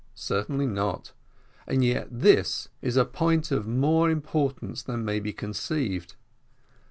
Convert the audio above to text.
certainly not: and yet this is a point of more importance than may be conceived.